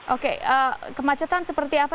oke kemacetan seperti apa